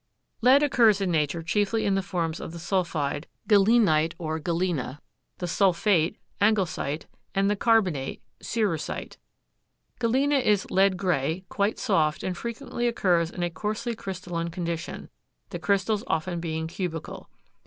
Lead occurs in nature chiefly in the forms of the sulphide, galenite or galena, the sulphate, anglesite and the carbonate, cerussite. Galena is lead gray, quite soft, and frequently occurs in a coarsely crystalline condition, the crystals often being cubical.